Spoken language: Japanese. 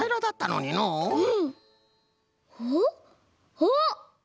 あっ！